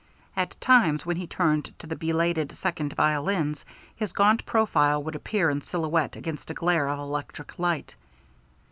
At times when he turned to the belated second violins, his gaunt profile would appear in silhouette against a glare of electric light.